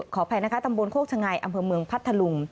ขออภัยนะคะตำบลโคกชะไงอำเภอเมืองพัทธลุง